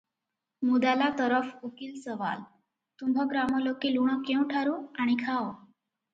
ମୁଦାଲା ତରଫ ଉକୀଲ ସୱାଲ - ତୁମ୍ଭ ଗ୍ରାମ ଲୋକେ ଲୁଣ କେଉଁଠାରୁ ଆଣି ଖାଅ?